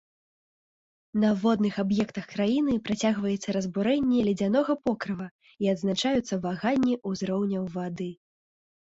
На водных аб'ектах краіны працягваецца разбурэнне ледзянога покрыва і адзначаюцца ваганні ўзроўняў вады.